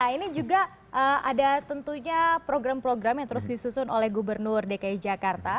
ini juga ada tentunya program program yang terus disusun oleh gubernur dki jakarta